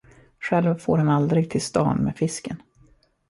Själv for han aldrig till stan med fisken.